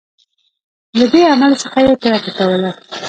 له دې عمل څخه یې کرکه کوله.